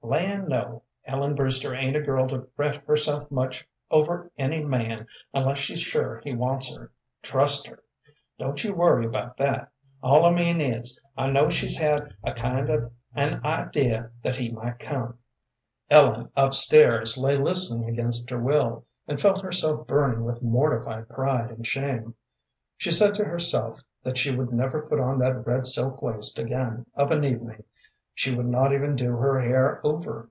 "Land, no; Ellen Brewster ain't a girl to fret herself much over any man unless she's sure he wants her; trust her. Don't you worry about that. All I mean is, I know she's had a kind of an idea that he might come." Ellen, up stairs, lay listening against her will, and felt herself burning with mortified pride and shame. She said to herself that she would never put on that red silk waist again of an evening; she would not even do her hair over.